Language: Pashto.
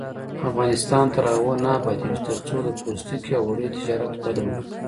افغانستان تر هغو نه ابادیږي، ترڅو د پوستکي او وړیو تجارت وده ونه کړي.